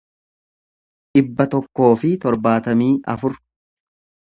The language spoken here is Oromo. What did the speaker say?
dhibba tokkoo fi torbaatamii afur